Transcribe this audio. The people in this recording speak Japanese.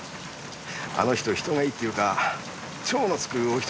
あの人人がいいっていうか超のつくお人よしだったから。